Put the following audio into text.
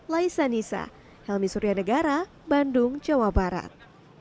laisa nisa helmi surya negara bandung jawa barat